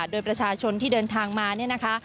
โดยประชาชนที่เดินทางมาเนี่ยนะคะ